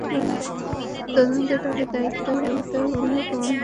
তদন্তে তাঁদের বিরুদ্ধে দায়িত্বে অবহেলার প্রমাণ পাওয়া গেলে ব্যবস্থা নেওয়া হবে।